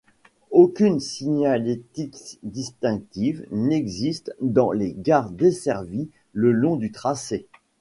Aucune signalétique distinctive n'existe dans les gares desservies le long du tracé.